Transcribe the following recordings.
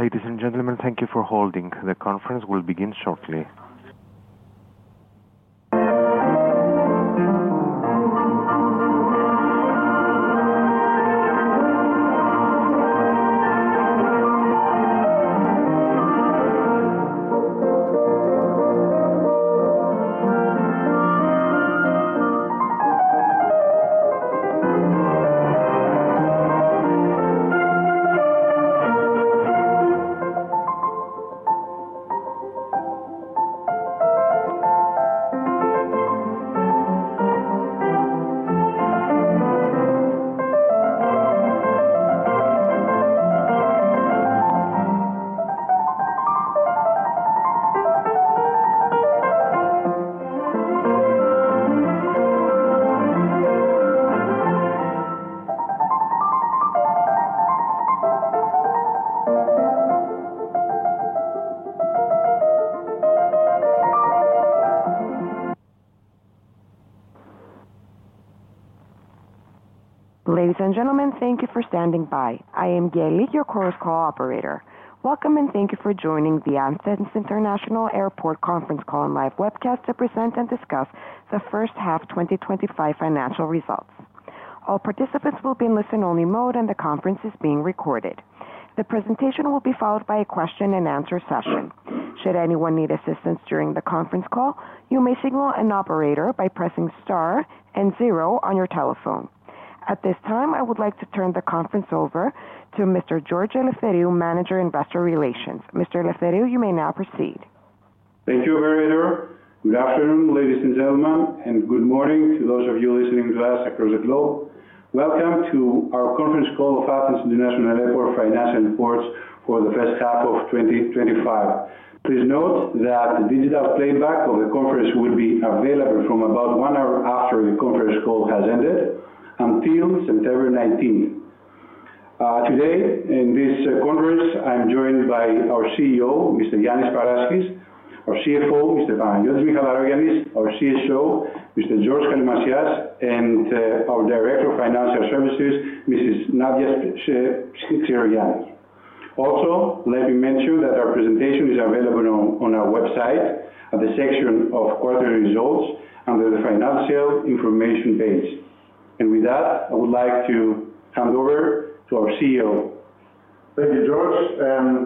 Ladies and gentlemen, thank you for holding. The conference will begin shortly. Ladies and gentlemen, thank you for standing by. I am Geli, your Chorus Call operator. Welcome and thank you for joining the Athens International Airport Conference Call and Live Webcast to present and discuss the first half 2025 financial results. All participants will be in listen-only mode, and the conference is being recorded. The presentation will be followed by a question and answer session. Should anyone need assistance during the conference call, you may signal an operator by pressing star and zero on your telephone. At this time, I would like to turn the conference over to Mr. George Eleftheriou, Manager Investor Relations. Mr. Eleftheriou, you may now proceed. Thank you, operator. Good afternoon, ladies and gentlemen, and good morning to those of you listening to us across the globe. Welcome to our Conference Call of Athens International Airport Financial Reports for the first half of 2025. Please note that digital playback of the conference will be available from about one hour after the conference call has ended until September 19. Today, in this conference, I am joined by our CEO, Mr. Yiannis Paraschis, our CFO, Mr. Panagiotis Michalarogiannis, our CSO, Mr. George Kallimasias, and our Director of Financial Services, Mrs. Nadia Xirogianni. Also, let me mention that our presentation is available on our website at the section of Quarterly Results under the Financial Information page. With that, I would like to hand over to our CEO. Thank you, George, and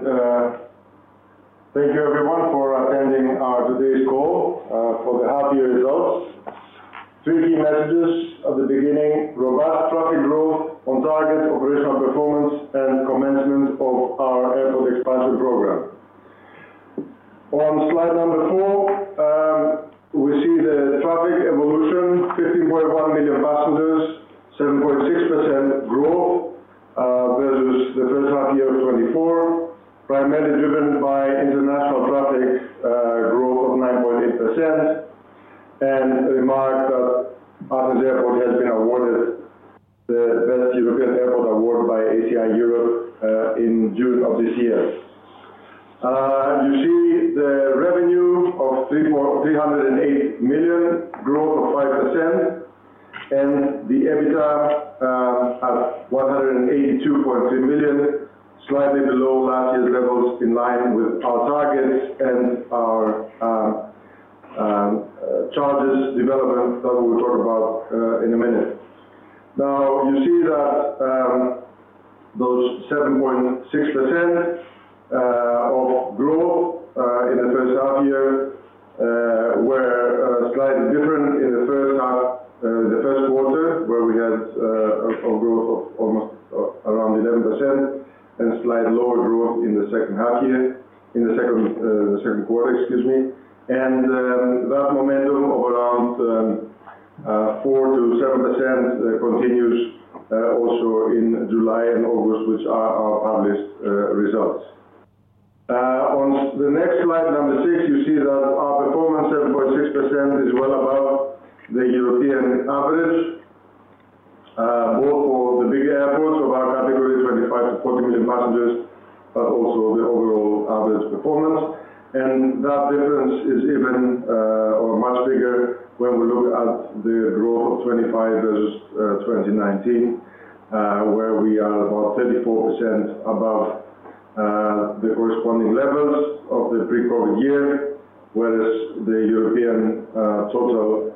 thank you everyone for attending today's call for the half-year results. Three key messages at the beginning: robust profit growth, on target operational performance, and commencement of our airport expansion program. On slide number four, we see the traffic evolution: 15.1 million passengers, 7.6% growth versus the first half of the year of 2024, primarily driven by international traffic growth of 9.8%. Remark that Athens Airport has been awarded the Best European Airport Award by ACI Europe in June of this year. You see the revenue of 308 million, growth of 5%, and the adjusted EBITDA at 182.3 million, slightly below last year's levels, in line with our targets and our charges development that we will talk about in a minute. You see that those 7.6% of growth in the first half of the year were slightly different in the first quarter, where we had a growth of almost around 11% and slightly lower growth in the second quarter. That momentum of around 4% to 7% continues also in July and August, which are our published results. On the next slide, number six, you see that our performance, 7.6%, is well above the European average growth for the big airports of our category, 25-40 million passengers, but also the overall average performance. That difference is even a mild figure when we look at the growth of 2025 versus 2019, where we are about 34% above the corresponding levels of the pre-COVID year, whereas the European total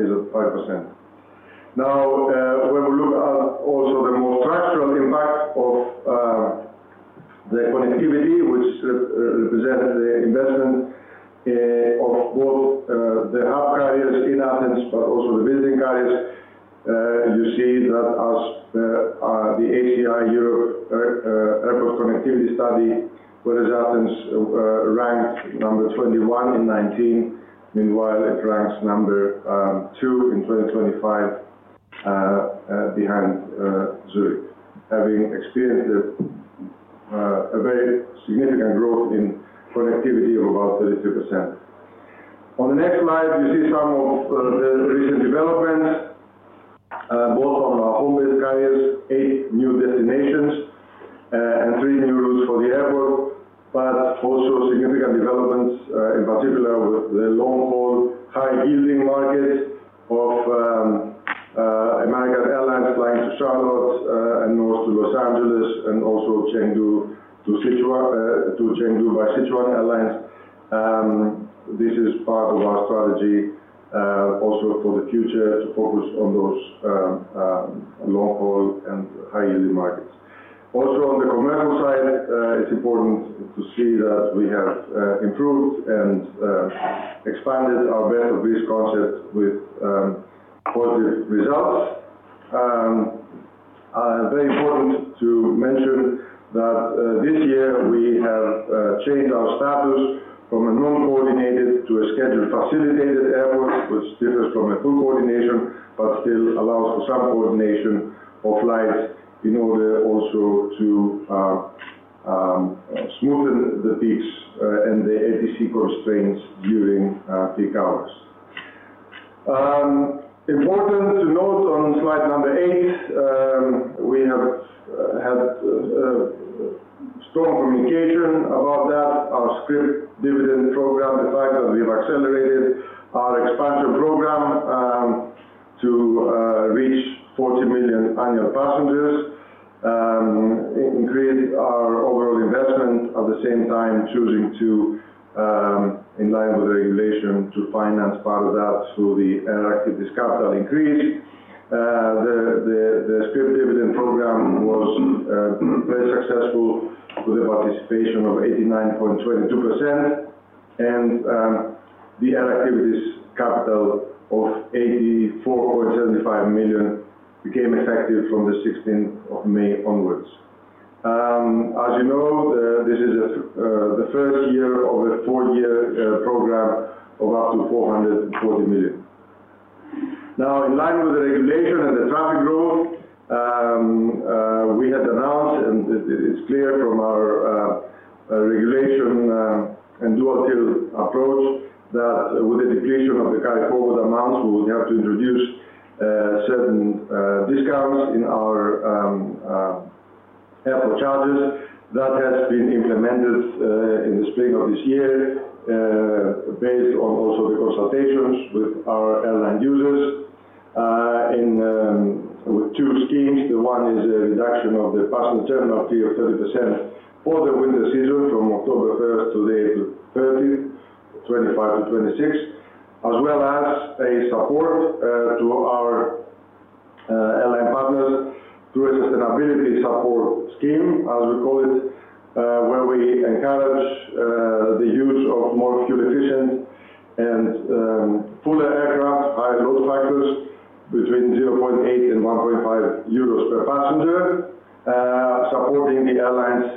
is at 5%. When we look at also the more structural impact of the connectivity, which represented the investment of both the hub carriers in Athens, but also the visiting carriers, you see that as the ACI Europe airport connectivity study, whereas Athens ranks number 21 in 2019, meanwhile, it ranks number two in 2025 behind Zurich, having experienced a very significant growth in connectivity of about 32%. On the next slide, you see some of the recent development, both on our homebase carriers, eight new destinations and three new routes for the airport, but also significant developments, in particular with the long haul, high yielding markets of American Airlines flying to Charlotte and most to Los Angeles and also to Chengdu by Sichuan Airlines. This is part of our strategy also for the future to focus on those long haul and high yielding markets. Also, on the commercial side, it's important to see that we have improved and expanded our bent-to-bridge concept with positive results. Very important to mention that this year we have changed our status from a non-coordinated to a scheduled facilitated airport, which differs from a full coordination, but still allows for some coordination of flights in order also to smoothen the peaks and the ATC constraints during peak hours. Important to note on slide number eight, we have had a strong communication about that, our split dividend program, the fact that we have accelerated our expansion program to reach 40 million annual passengers and created our overall investment at the same time, choosing to, in line with the regulation, finance part of that through the active discount that increased. The split dividend program was very successful with a participation of 89.22%, and the activities capital of 84.75 million became effective from the 16th of May onwards. As you know, this is the first year of a four-year program of up to 440 million. Now, in line with the regulation and the travel growth, we had announced, and it's clear from our regulation and dual-field approval that with the depletion of the carry-forward amounts, we would have to introduce certain discounts in our airport charges. That has been implemented in the spring of this year based on also the consultations with our airline users. Two key things. One is the reduction of the passenger turn-up fee of 30% for the winter season from October 1st to the 30th, from 2025 to 2026, as well as a support to our airline partners through a sustainability support scheme, as we call it, where we encourage the use of more fuel-efficient and fuller aircraft by route hikers between 0.8 and 1.5 euros per passenger, supporting the airlines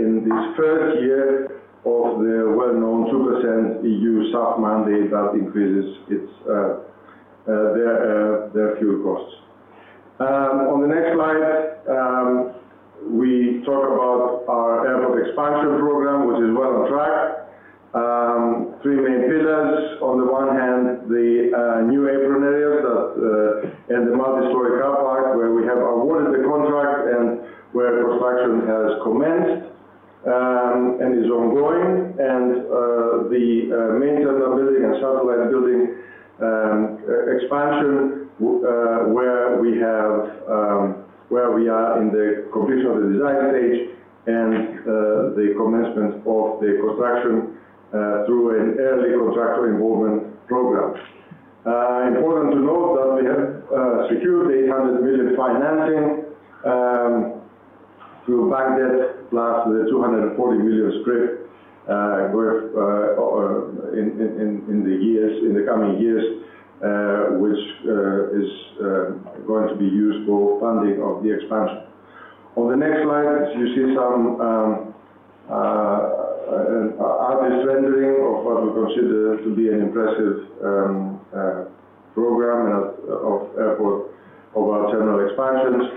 in this first year of the well-known 2% EU SAF mandate that increases their fuel costs. On the next slide, we talk about our airport expansion program, which is well on track. Three main pillars. On the one hand, the new apron areas and the multi-storey car park, where we have awarded the contract and where construction has commenced and is ongoing, and the main terminal building and satellite building expansion, where we are in the completion of the design stage and the commencement of the construction through an early contractor involvement program. In order to note that we have secured 800 million financing through bank debt plus the 240 million scrip in the coming years, which is going to be useful funding of the expansion. On the next slide, you see some at least rendering of what we consider to be an impressive program and of airport of our terminal expansions,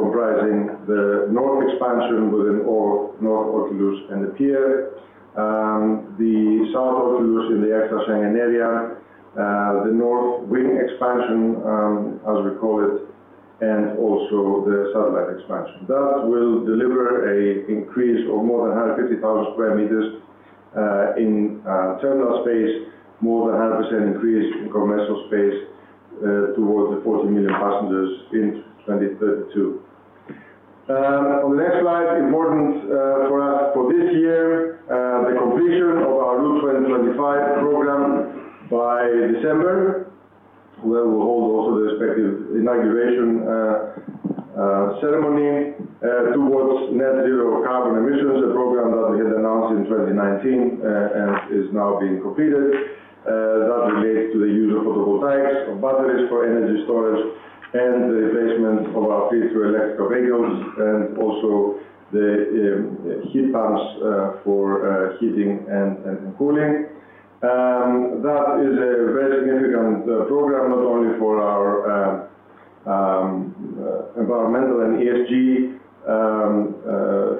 comprising the northern expansion within all north oculus and the pier, the south oculus in the extra-sanguine area, the north wing expansion, as we call it, and also the satellite expansion. That will deliver an increase of more than 150,000 square meters in terminal space, more than 100% increase in commercial space towards the 40 million passengers in 2032. On the next slide, important for this year, the completion of our Route 2025 program by December, where we will hold also the respective inauguration ceremony towards net zero carbon emissions, a program that we had announced in 2019 and is now being completed that relates to the use of photovoltaics or batteries for energy storage and the replacement of our fuel-through electrical vehicles and also the heat pumps for heating and cooling. That is a very significant program, not only for our environmental and ESG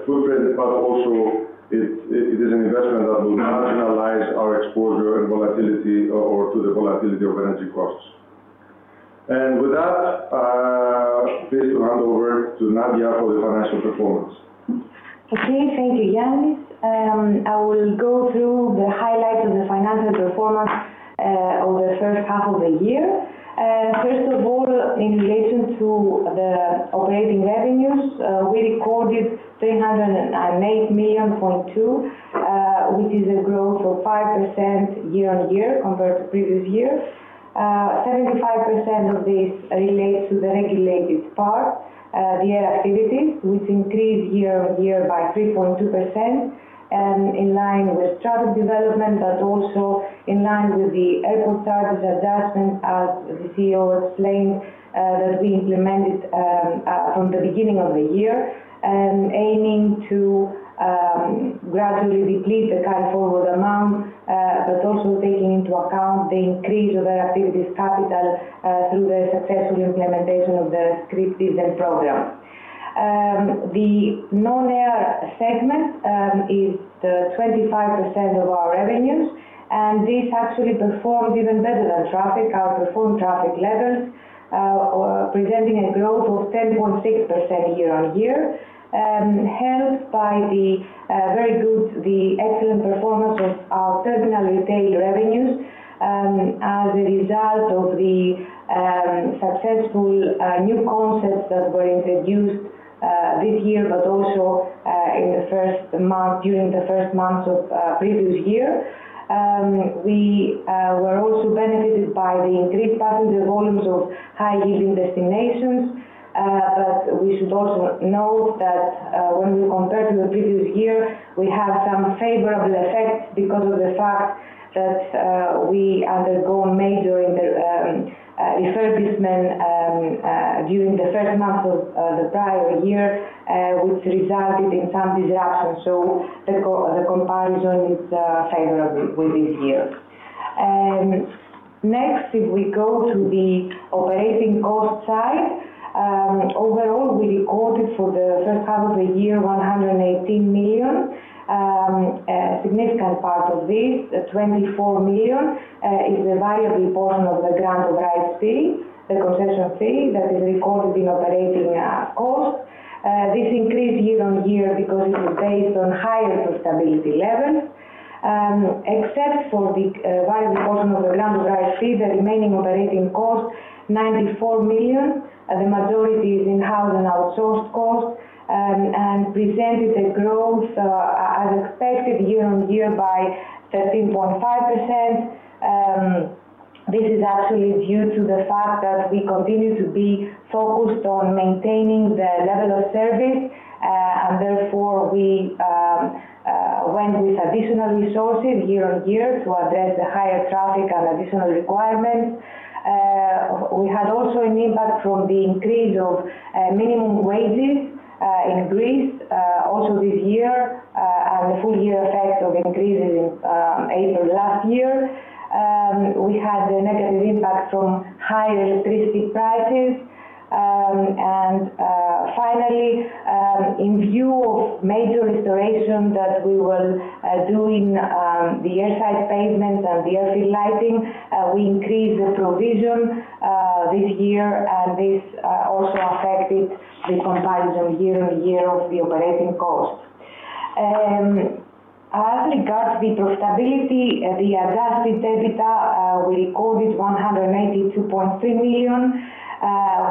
footprint, but also it is an investment that will analyze our exposure and volatility or to the volatility of energy costs. With that, please hand over to Nadia for the financial performance. Okay. Thank you, Yiannis. I will go through the highlights of the financial performance of the first half of the year. First of all, in relation to the operating revenues, we recorded 308.2 million, which is a growth of 5% year on year compared to the previous year. 75% of this relates to the regulated part via activities, which increased year on year by 3.2%, in line with travel development, but also in line with the airport charges adjustment as the CEO explained, that we implemented from the beginning of the year, aiming to gradually deplete the carry-forward amount, but also taking into account the increase of the activities capital through the successful implementation of the scripted program. The non-air segment is 25% of our revenues, and this actually performs even better than traffic, outperformed traffic levels, presenting a growth of 10.6% year on year, helped by the very good, the excellent performance of our terminal retail revenues as a result of the successful new concepts that were introduced this year, but also in the first month during the first month of the previous year. We were also benefited by the increased passenger volumes of high-yielding destinations. We should also note that when we compare to the previous year, we have some favorable effects because of the fact that we undergo major refurbishment during the first month of the prior year, which resulted in some disruptions. The compliance jointly is favorable with this year. Next, if we go to the operating cost side, overall, we recorded for the first half of the year 118 million. A significant part of this, the 24 million, is the variable portion of the grant of RIC, the concession fee that is recorded in operating cost. This increased year on year because it is based on higher profitability levels. For the variable portion of the grant of RIC, the remaining operating cost, 94 million, the majority is in-house and outsourced cost and presented a growth as expected year on year by 13.5%. This is actually due to the fact that we continue to be focused on maintaining the level of service, and therefore, we went with additional resources year on year to address the higher traffic and additional requirements. We had also an impact from the increase of minimum wages increased also this year and the full-year effect of increases in April last year. We had a negative impact from higher electricity prices. Finally, in view of major restoration that we will do in the airside pavement and the airfield lighting, we increased the provision this year, and this also affected the comparison year on year of the operating cost. As regards the profitability, the adjusted EBITDA, we recorded 182.3 million,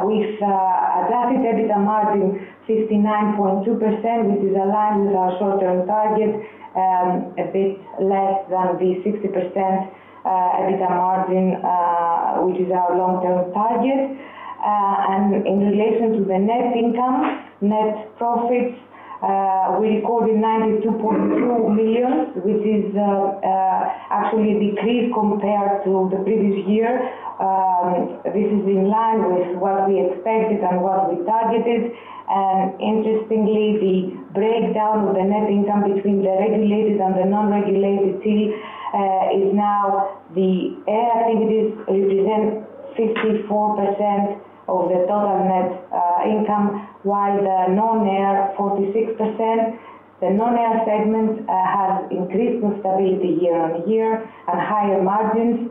with adjusted EBITDA margin 69.2%, which is aligned with our short-term target, a bit less than the 60% EBITDA margin, which is our long-term target. In relation to the net income, net profits, we recorded 92.2 million, which is actually a decrease compared to the previous year. This is in line with what we expected and what we targeted. Interestingly, the breakdown of the net income between the regulated and the non-regulated segment is now the air activities represent 54% of the total net income, while the non-air 46%. The non-air segment has increased profitability year on year and higher margins.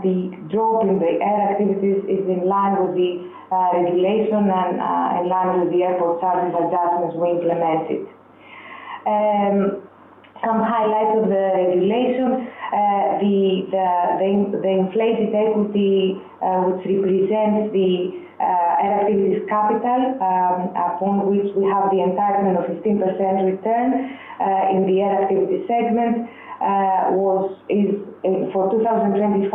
The drop in the air activities is in line with the regulation and in line with the airport charges adjustments we implemented. Some highlights of the regulation. The inflated equity, which represents the air activities capital, upon which we have the entitlement of 15% return in the air activity segment, was for 2025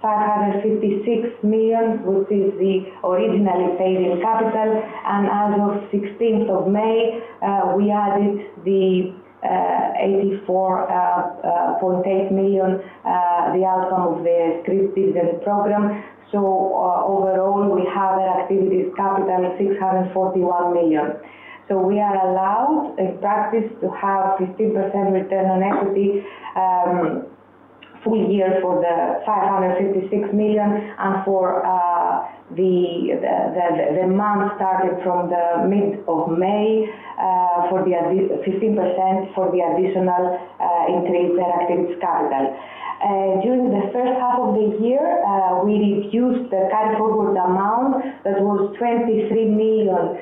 556 million, which is the originally paid in capital. As of 16th of May, we added the 84.8 million, the outcome of the scripted program. Overall, we have an activities capital of 641 million. We are allowed in practice to have 15% return on equity full year for the 556 million and for the month starting from the mid of May for the 15% for the additional increase in activities capital. During the first half of the year, we reduced the carry-forward amount that was 23 million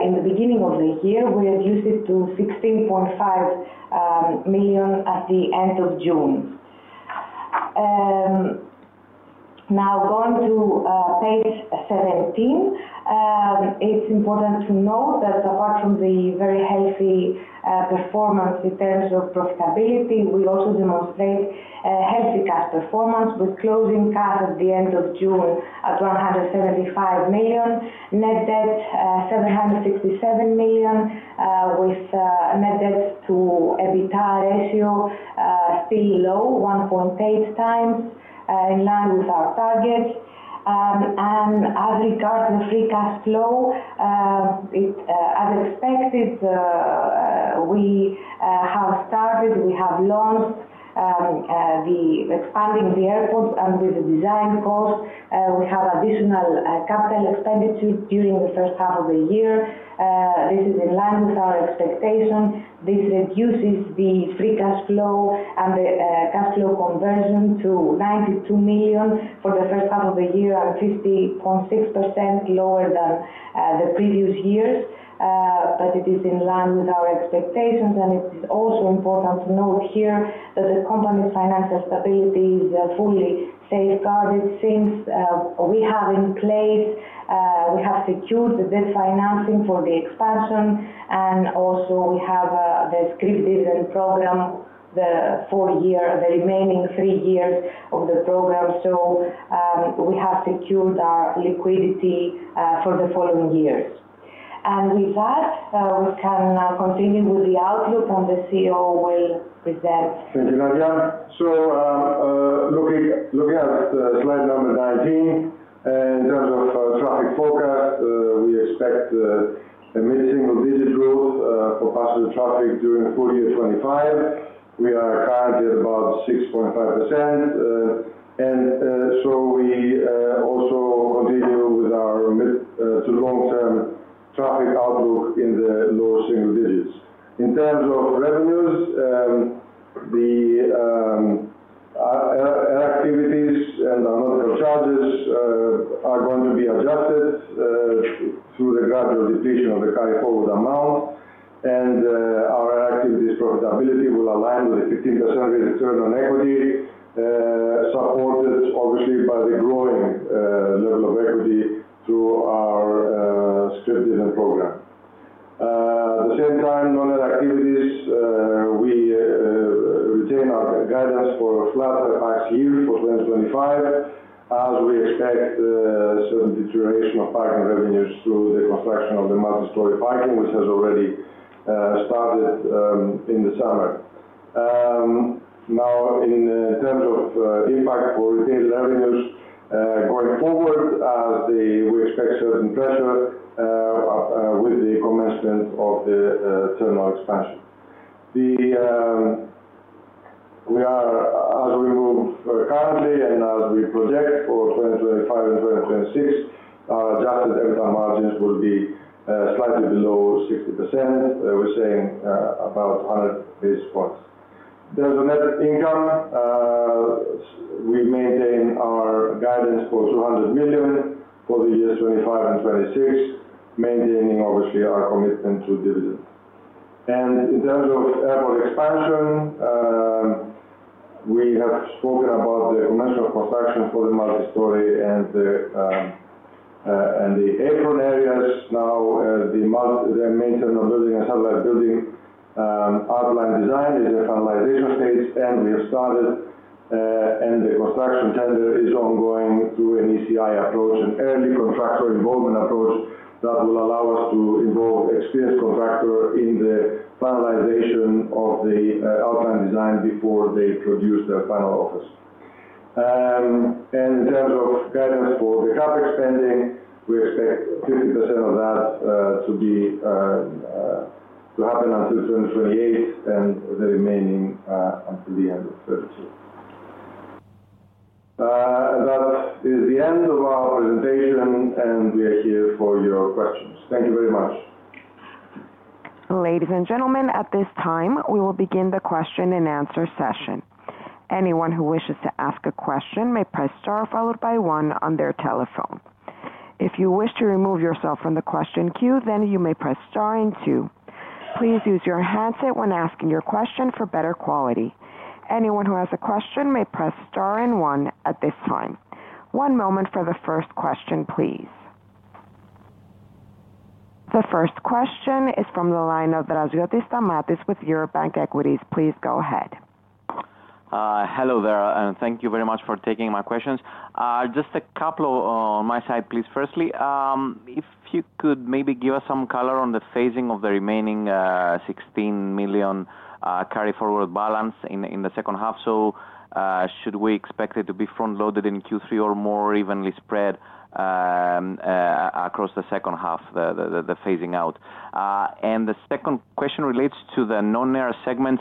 in the beginning of the year. We reduced it to 16.5 million at the end of June. Now, going to page 17, it's important to note that apart from the very healthy performance in terms of profitability, we also demonstrate a healthy cash performance with closing cash at the end of June at 175 million. Net debt 767 million, with net debt to EBITDA ratio still low, 1.8x in line with our targets. As regards the free cash flow, as expected, we have started, we have launched the expanding of the airport and with the design goals, we have additional capital expenditures during the first half of the year. This is in line with our expectation. This reduces the free cash flow and the cash flow conversion to 92 million for the first half of the year and 50.6% lower than the previous years. It is in line with our expectations. It is also important to note here that the company's financial stability is fully safeguarded since we have in place, we have secured the debt financing for the expansion. We also have the script dividend program, the four years, the remaining three years of the program. We have secured our liquidity for the following years. With that, we can now continue with the outlook on the CEO while he presents. Thank you, Nadia. Looking at slide number 19, in terms of traffic forecast, we expect a missing of visit rule for passenger traffic during [Q2] 2025. We are currently at about 6.5%. We also continue with our mid to long-term traffic outlook in the low single digits. In terms of revenues, the air activities and the charges are going to be adjusted through the gradual depletion of the carry-forward balance. Our active profitability will align with the 15% return on equity, supported obviously by the growing level of equity through our scripted program. For flat ICU for 2025, we expect a certain deterioration of parking revenues through the construction of the multi-storey car park, which has already started in the summer. In terms of impact for retail revenues going forward, we expect certain pressure with the commencement of the terminal expansions. As we move very hardly and as we project for 2025 and 2026, our adjusted EBITDA margins will be slightly below 60%, about 100 basis points. In terms of net income, we maintain our guidance for 200 million for the years 2025 and 2026, maintaining obviously our commitment to dividends. In terms of airport expansion, we have spoken about the commencement of construction for the multi-storey car park and the apron areas. The market is a maintenance of building and satellite building. Outline design is a finalization phase, and we have started, and the construction tender is ongoing to an ECI approach, an early contractor involvement approach that will allow us to involve experienced contractors in the finalization of the outline design before they produce their final offers. In terms of guidance for the car park expanding, we expect 50% of that to happen until 2028 and the remaining until the end of 2032. That is the end of our presentation, and we are here for your questions. Thank you very much. Ladies and gentlemen, at this time, we will begin the question and answer session. Anyone who wishes to ask a question may press star followed by one on their telephone. If you wish to remove yourself from the question queue, then you may press star and two. Please use your handset when asking your question for better quality. Anyone who has a question may press star and one at this time. One moment for the first question, please. The first question is from the line of Draziotis Stamatios with Eurobank Equities. Please go ahead. Hello there, and thank you very much for taking my questions. Just a couple on my side, please. Firstly, if you could maybe give us some color on the phasing of the remaining 16 million carry-forward balance in the second half. Should we expect it to be front-loaded in Q3 or more evenly spread across the second half, the phasing out? The second question relates to the non-air segment.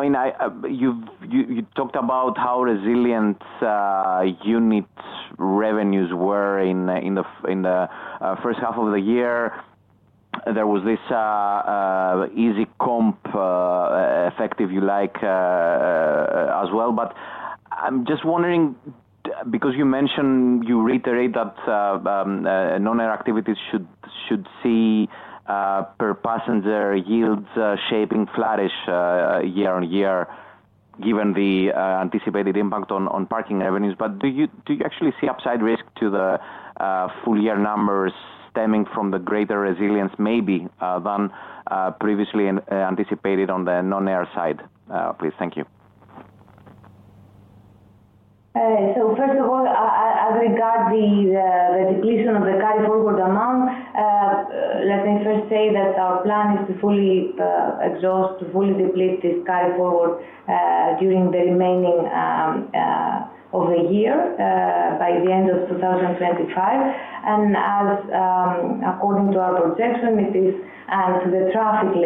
You talked about how resilient unit revenues were in the first half of the year. There was this easy comp effect, if you like, as well. I'm just wondering, because you mentioned, you reiterate that non-air activities should see per passenger yields shaping flourish year on year, given the anticipated impact on parking revenues. Do you actually see upside risk to the full-year numbers stemming from the greater resilience maybe than previously anticipated on the non-air side? Please, thank you. First of all, as regards the depletion of the carry-forward balance, let me first say that our plan is to fully exhaust, to fully deplete this carry-forward during the remainder of the year, by the end of 2025. According to our projection, and the traffic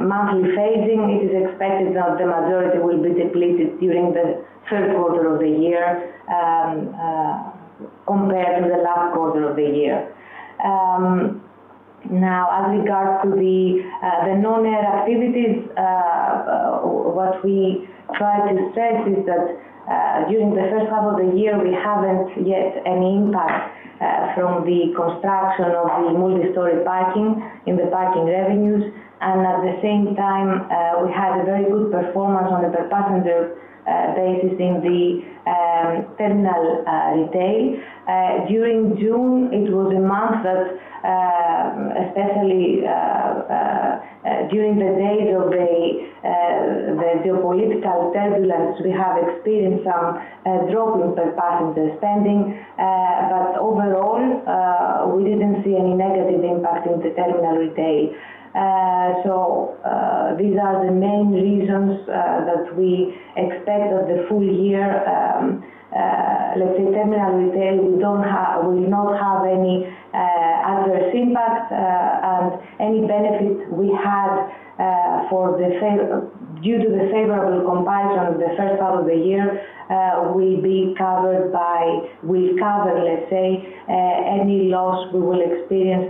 monthly phasing, it is expected that the majority will be depleted during the first quarter of the year compared to the last quarter of the year. As regards the non-air activities, what we try to stress is that during the first half of the year, we haven't yet had any impact from the construction of the multi-storey car park in the parking revenues. At the same time, we had a very good performance on a per passenger basis in the terminal retail. During June, it was a month that, especially during the days of the geopolitical turbulence, we have experienced some drop in per passenger spending. Overall, we didn't see any negative impact in the terminal retail. These are the main reasons that we expect that the full year in terminal retail, we do not have any adverse impacts. Any benefit we have due to the favorable comparison of the first half of the year will be covered by, let's say, any loss we will experience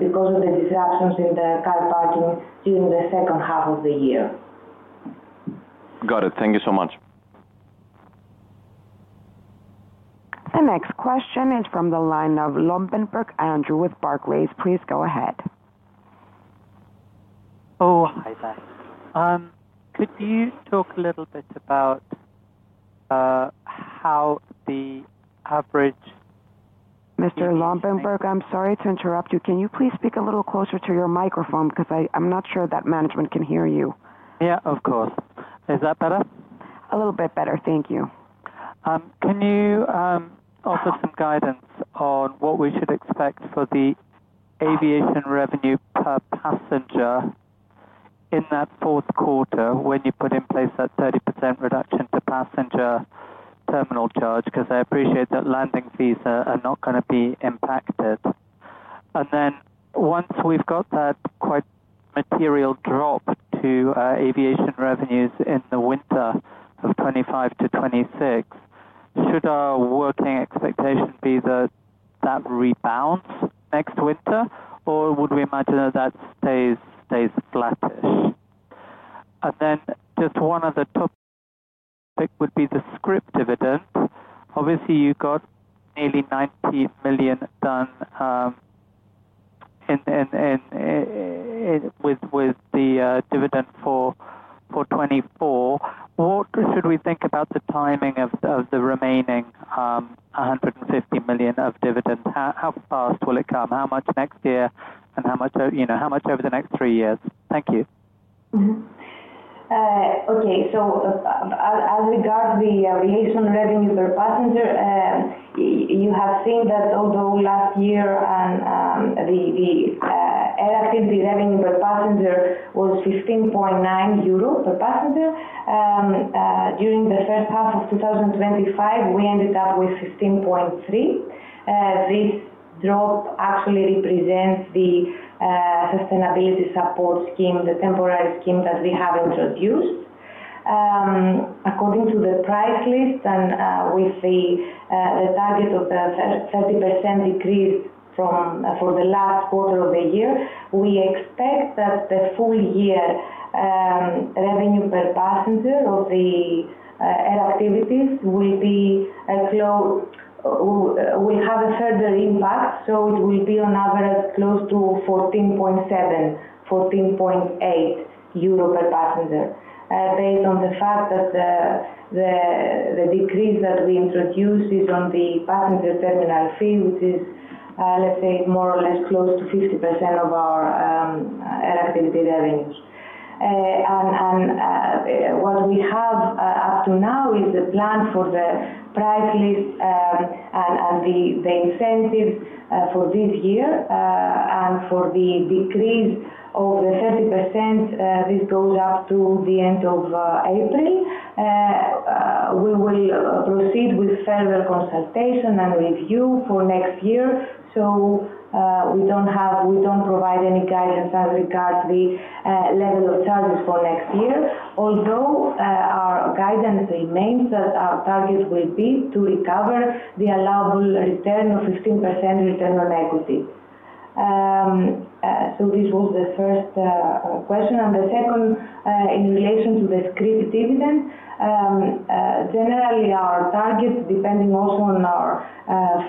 because of the disruptions in the car parking during the second half of the year. Got it. Thank you so much. The next question is from the line of Andrew Lobbenberg with Barclays. Please go ahead. Hi guys, could you talk a little bit about how the average? Mr. Lobbenberg, I'm sorry to interrupt you. Can you please speak a little closer to your microphone? I'm not sure that management can hear you. Yeah, of course. Is that better? A little bit better. Thank you. Can you offer some guidance on what we should expect for the aviation revenue per passenger in that fourth quarter when you put in place that 30% reduction for passenger terminal charge? I appreciate that landing fees are not going to be impacted. Once we've got that quite material drop to aviation revenues in the winter of 2025 to 2026, should our working expectation be that that rebounds next winter, or would we imagine that that stays flat? One other topic would be the script dividend. Obviously, you've got nearly 90 million done with the dividend for 2024. What should we think about the timing of the remaining 150 million of dividends? How fast will it come? How much next year and how much over the next three years? Thank you. Okay. As regards the aviation revenue per passenger, you have seen that although last year, the air activity revenue per passenger was 15.9 euro per passenger, during the first half of 2025, we ended up with 15.3. This drop actually represents the sustainability support scheme, the temporary scheme that we have introduced. According to the price list and with the target of the 30% decrease for the last quarter of the year, we expect that the full year revenue per passenger of the air activities will have a further impact. It will be on average close to 14.7, 14.8 euro per passenger, based on the fact that the decrease that we introduced is on the passenger terminal fee, which is, let's say, more or less close to 50% of our air activity revenues. What we have up to now is the plan for the price list and the incentives for this year. For the decrease of the 30%, this goes up to the end of April. We will proceed with further consultation and review for next year. We don't provide any guidance as regards the level of charges for next year. Although our guidance remains that our targets will be to recover the allowable return of 15% return on equity. This was the first question. The second, in relation to the scripted dividend, generally, our target, depending also on our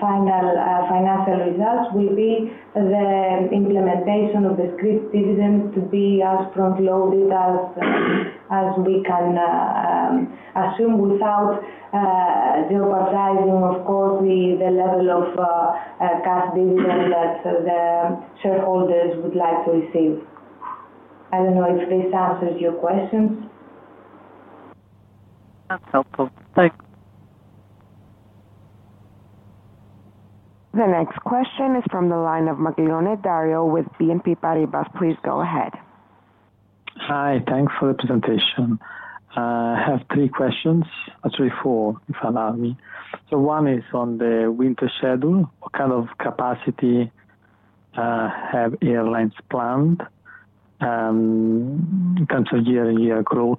financial results, will be the implementation of the scripted dividend to be as front-loaded as we can assume without jeopardizing, of course, the level of cash dividend that the shareholders would like to receive. I don't know if this answers your questions. That's helpful. Thanks. The next question is from the line of Maglione Dario with BNP Paribas. Please go ahead. Hi. Thanks for the presentation. I have three questions. Actually four, if you allow me. One is on the winter schedule. What kind of capacity have airlines planned in terms of year on year growth?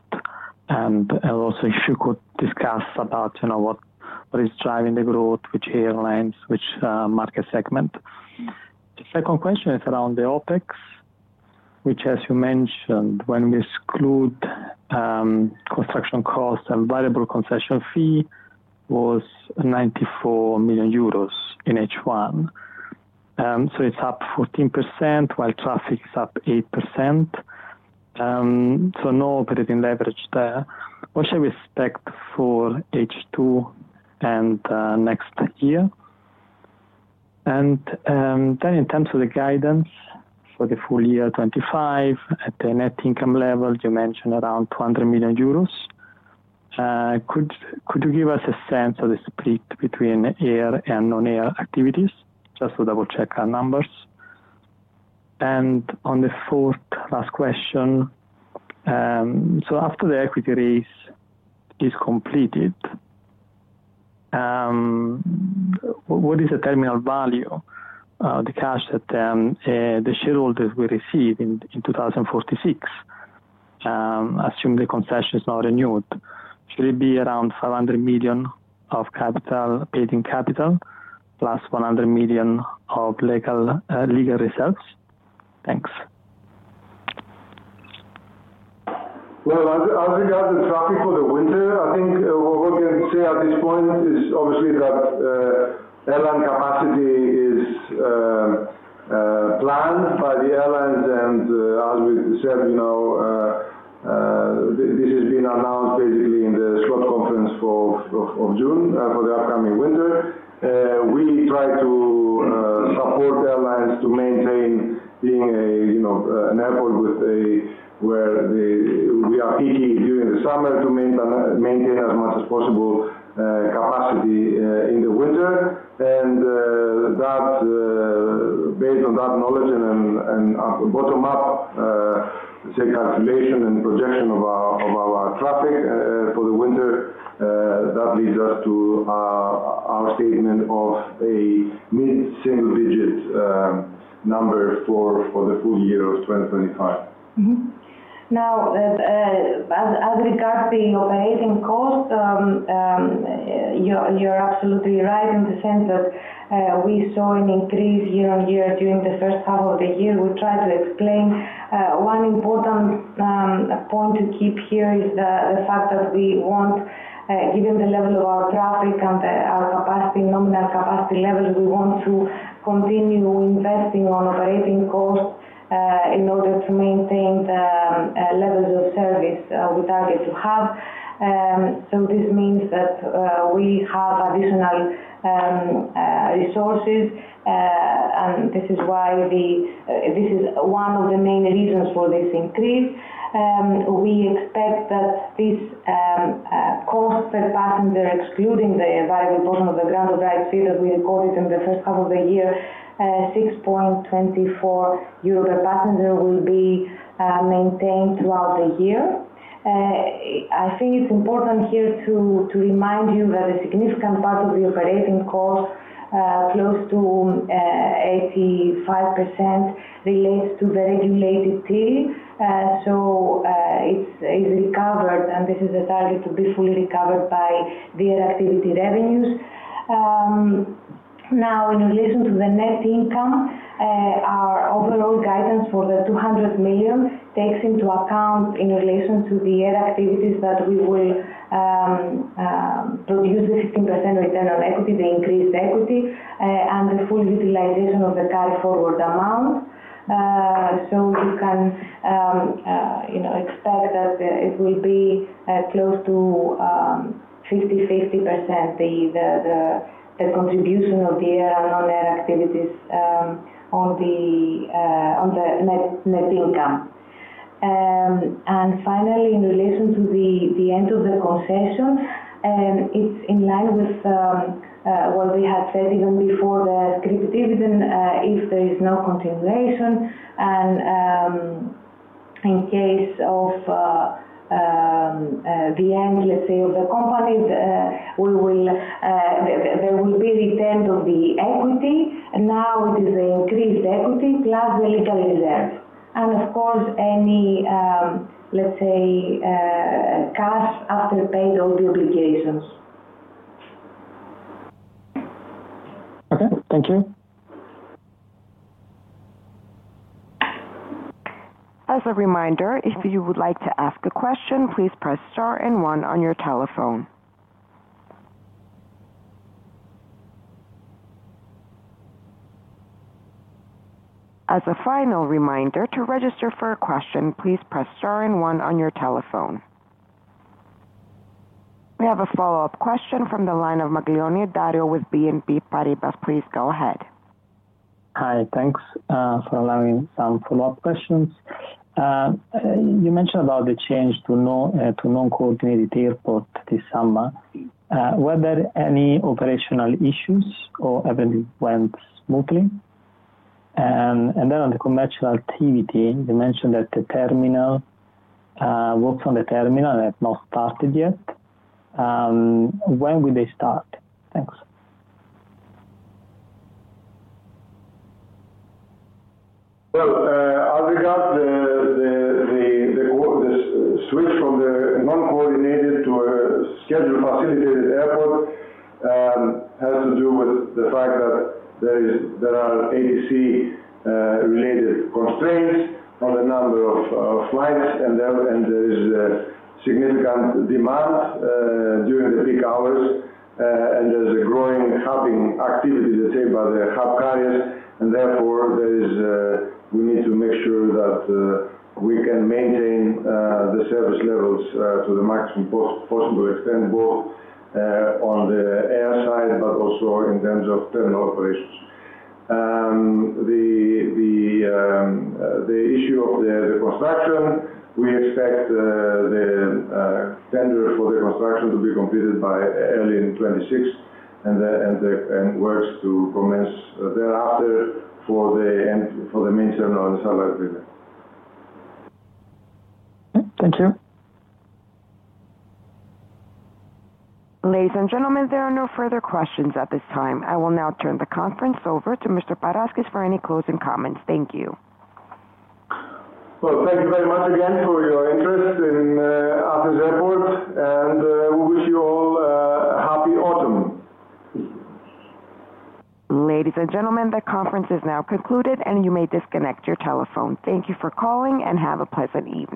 If you could discuss what is driving the growth, which airlines, which market segment. The second question is around the OpEx, which, as you mentioned, when we exclude construction costs and variable concession fee, was 94 million euros in H1. It's up 14% while traffic is up 8%. No operating leverage there. What shall we expect for H2 and next year? In terms of the guidance for the full year 2025 at the net income level, you mentioned around 200 million euros. Could you give us a sense of the split between air and non-air activities? Just to double-check our numbers. On the fourth, last question, after the equity raise is completed, what is the terminal value of the cash that the shareholders will receive in 2046? Assume the concession is not renewed. Should it be around 500 million of paid-in capital plus 100 million of legal results? Thanks. I think I'll just draft it for the winter. What we can say at this point is obviously that airline capacity is planned by the airlines. As we said, this has been announced basically in the short conference of June for the upcoming winter. We try to support airlines to maintain being an airport where we are busy during the summer to maintain as much as possible capacity in the winter. Based on that knowledge and bottom-up, let's say, calculation and projection of our traffic for the winter, that leads us to our statement of a mid-single-digit number for the full year of 2025. Now, as regards the operating cost, you're absolutely right in the sense that we saw an increase year on year during the first half of the year. We try to explain one important point to keep here is the fact that we want, given the level of our traffic and our nominal capacity level, we want to continue investing on operating costs in order to maintain the levels of service we target to have. This means that we have additional resources. This is why this is one of the main reasons for this increase. We expect that this cost per passenger, excluding the variable bottom of the ground of the airfield that we recorded in the first half of the year, 6.24 euro per passenger, will be maintained throughout the year. I think it's important here to remind you that a significant part of the operating cost, close to 85%, relates to the regulated deal. It's recovered, and this is the target to be fully recovered by the air activity revenues. Now, in relation to the net income, our overall guidance for the 200 million takes into account in relation to the air activities that we will produce the 15% return on equity, the increased equity, and the full utilization of the carry-forward amount. We can expect that it will be close to [50/50%], the contribution of the air on air activities on the net income. Finally, in relation to the end of the concession, it's in line with what we had said even before the scripted dividend, if there is no continuation. In case of the end, let's say, of the component, there will be the intent of the equity. Now, it is an increased equity plus the legal results. Of course, any, let's say, cash after paid all the obligations. Okay, thank you. As a reminder, if you would like to ask a question, please press star and one on your telephone. As a final reminder, to register for a question, please press star and one on your telephone. We have a follow-up question from the line of Maglione Dario with BNP Paribas. Please go ahead. Hi. Thanks for allowing some follow-up questions. You mentioned about the change to scheduled facilitated airport this summer. Were there any operational issues, or everything went smoothly? On the commercial activity, you mentioned that the terminal works on the terminal have not started yet. When will they start? Thanks. As regards the switch from the non-coordinated to a scheduled facilitated airport, it has to do with the fact that there are ATC-related constraints on the number of flying and there is a significant demand during the peak hours. There's a growing hubbing activity, let's say, by the hub carriers. Therefore, we need to make sure that we can maintain the service levels to the maximum possible extent, both on the airline, but also in terms of terminal operations. The issue of the construction, we expect the tender for the construction to be completed by early in 2026 and the works to commence thereafter for the main terminal and the satellite building. Okay, thank you. Ladies and gentlemen, there are no further questions at this time. I will now turn the conference over to Mr. Paraschis for any closing comments. Thank you. Thank you very much again for your interest in Athens Airport, and we wish you all a happy autumn. Ladies and gentlemen, the conference is now concluded, and you may disconnect your telephone. Thank you for calling and have a pleasant evening.